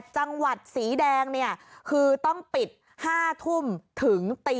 จังหวัดสีแดงเนี่ยคือต้องปิด๕ทุ่มถึงตี